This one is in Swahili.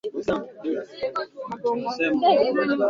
hurejea Tanzania mwezi Novemba hadi mwezi Desemba kujifungua